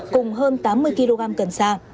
cùng hơn tám mươi kg cần xa